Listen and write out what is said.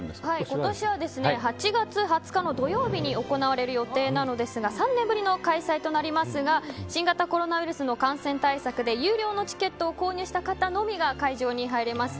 今年は８月２０日の土曜日に行われる予定ですが３年ぶりの開催となりますが新型コロナウイルスの感染対策で有料のチケットを購入した方のみが会場に入れます。